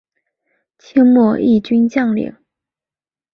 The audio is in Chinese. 清末毅军将领。